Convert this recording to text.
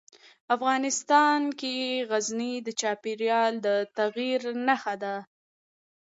افغانستان کې غزني د چاپېریال د تغیر نښه ده.